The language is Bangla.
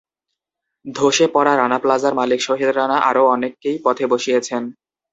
ধসে পড়া রানা প্লাজার মালিক সোহেল রানা আরও অনেককেই পথে বসিয়েছেন।